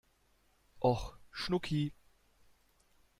Och, Schnucki!